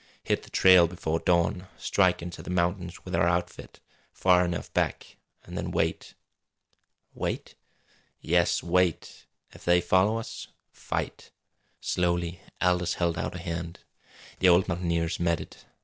"Hit the trail before dawn! Strike into the mountains with our outfit far enough back and then wait!" "Wait?" "Yes wait. If they follow us fight!" Slowly Aldous held out a hand. The old mountaineer's met it.